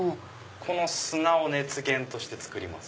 この砂を熱源として作ります。